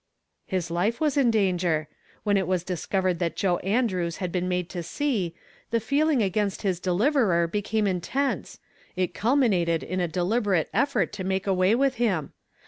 '•His life viis in danger. When it was dis covered that Joe An(^ nws had been made to see, the feeling against his Deliverer became intense : it cuhninatcd in a deliberate effort to make away with him